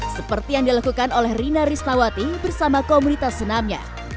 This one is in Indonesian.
seperti yang dilakukan oleh rina risnawati bersama komunitas senamnya